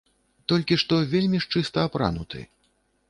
Толькі што вельмі ж чыста апрануты.